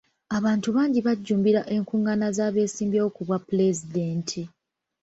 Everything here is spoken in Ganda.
Abantu bangi bajjumbira enkungaana z'abesimbyewo ku bwa pulezidenti.